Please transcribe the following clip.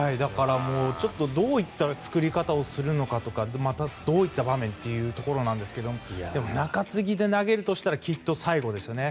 ちょっとどういった作り方をするのかとかどういった場面というところなんですがでも中継ぎで投げるとしたらきっと最後ですよね。